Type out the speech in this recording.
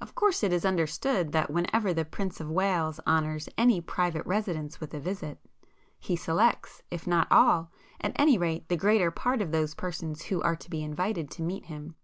Of course it is understood that whenever the Prince of Wales honours any private residence with a visit, he selects, if not all, at any rate the greater part of those persons who are to be invited to meet him.